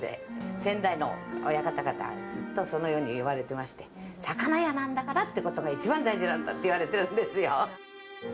先代の親方からずっとそのように言われてまして、魚屋なんだからってことが一番大事なんだって言われてるんですよ。